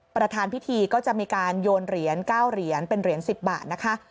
ประธานพิธีก็จะมีการโยนเหรียญ๙เหรียญเป็นเหรียญ๑๐บาทนะคะ